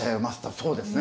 そうですね。